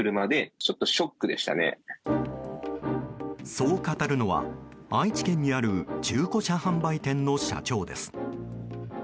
そう語るのは、愛知県にある中古車販売店の社長です。